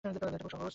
এটা খুব সহজ।